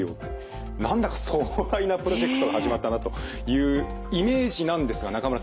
何だか壮大なプロジェクトが始まったなというイメージなんですが中村さん